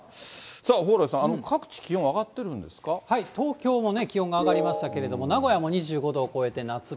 蓬莱さん、各地、気温が上がって東京も気温が上がりましたけれども、名古屋も２５度を超えて夏日。